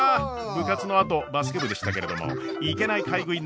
部活のあとバスケ部でしたけれどもいけない買い食い